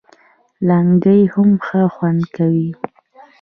لنګۍ هم ښه خوند کوي